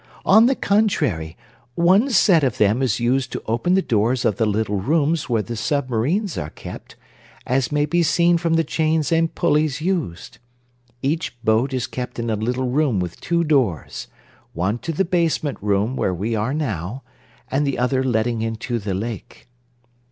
On the contrary, one set of them is used to open the doors of the little rooms where the submarines are kept, as may be seen from the chains and pulleys used. Each boat is kept in a little room with two doors, one to the basement room where we are now and the other letting into the lake.